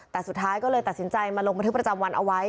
แต่สุดท้ายก็เลยตัดสินใจมาลงบันทึกประจำวันเอาไว้